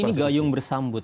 jadi ini gayung bersambut